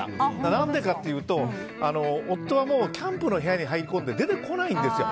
何でかというと夫はキャンプの部屋に入り込んで出てこないんですよ。